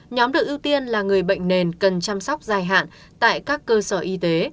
nhóm được ưu tiên là người bệnh nền cần chăm sóc dài hạn tại các cơ sở y tế